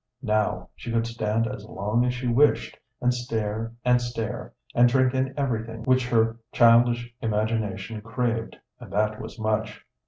Now she could stand as long as she wished, and stare and stare, and drink in everything which her childish imagination craved, and that was much.